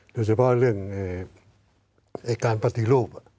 โดยเฉพาะเรื่องการปฏิรูป